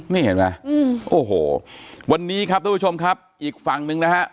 นี่เห็นไหมโอ้โหวันนี้ครับทุกผู้ชมครับอีกฝั่งหนึ่งนะฮะ